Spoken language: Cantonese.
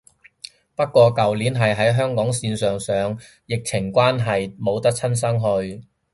不過舊年係喺香港線上上，疫情關係冇得親身去